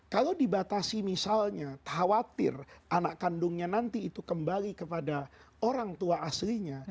kalau dibatasi misalnya khawatir anak kandungnya nanti itu kembali kepada orang tua aslinya